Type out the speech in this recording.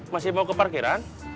masih mau ke parkiran